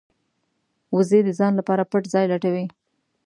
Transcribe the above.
وزې د ځان لپاره پټ ځای لټوي